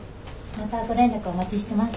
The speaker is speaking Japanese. またご連絡お待ちしてます。